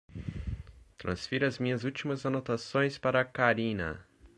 Transfira as minhas últimas anotações para Karina